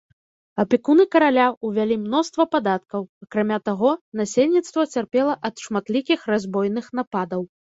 Апекуны караля ўвялі мноства падаткаў, акрамя таго, насельніцтва цярпела ад шматлікіх разбойных нападаў.